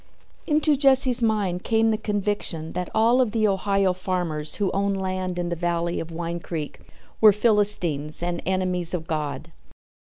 Into Jesse's mind came the conviction that all of the Ohio farmers who owned land in the valley of Wine Creek were Philistines and enemies of God.